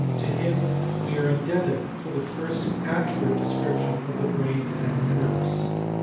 To him we are indebted for the first accurate description of the brain and nerves.